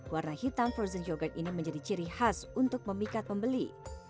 warna hitam frozen yogurt ini menjadi ciri khas untuk memikat pembeli